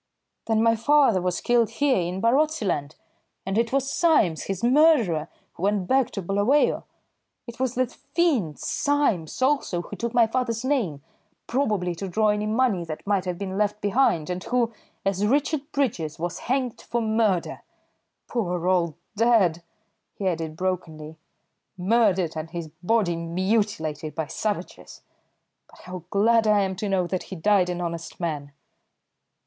"Then my father was killed here in Barotseland, and it was Symes, his murderer, who went back to Bulawayo. It was that fiend Symes, also, who took my father's name, probably to draw any money that might have been left behind, and who, as Richard Bridges, was hanged for murder. Poor old dad," he added brokenly, "murdered, and his body mutilated by savages! But how glad I am to know that he died an honest man!"